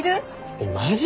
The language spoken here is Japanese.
えっマジ！？